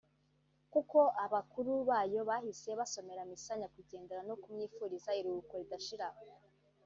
kuko abakuru bayo bahise basomera misa Nyakwigendera no kumwifuriza iruhuko ridashira